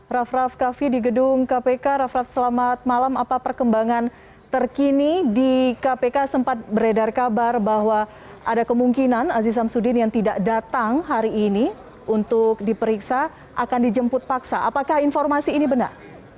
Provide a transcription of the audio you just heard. raff raff kaffi di gedung kpk raff raff selamat malam apa perkembangan terkini di kpk sempat beredar kabar bahwa ada kemungkinan aziz samsudin yang tidak datang hari ini untuk diperiksa akan dijemput paksa apakah informasi ini benar